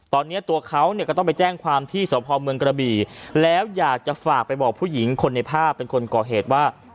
ตอนนี้ตัวเขาเนี่ยก็ต้องไปแจ้งความที่สพเมืองกระบี่แล้วอยากจะฝากไปบอกผู้หญิงคนในภาพเป็นคนก่อเหตุว่า